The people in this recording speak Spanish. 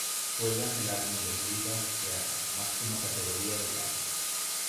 Juega en la Bundesliga austriaca, máxima categoría del país.